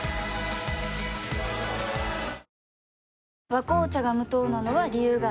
「和紅茶」が無糖なのは、理由があるんよ。